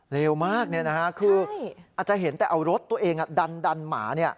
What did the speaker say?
เลวมากเนี่ยนะฮะคืออาจจะเห็นแต่เอารถตัวเนี่ยนะฮะแล้วคุณผู้ชมฮะมาดูคลิปกันนะฮะ